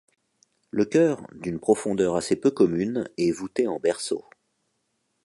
Le chœur, d'une profondeur assez peu commune, est voûté en berceau.